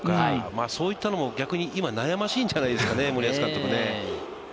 そういったのも逆に今悩ましいんじゃないですかね、森保監督。